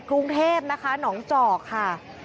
กรุงเทพนะคะหนองจอกค่ะ